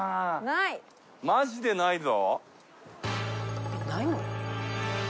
マジでないぞ。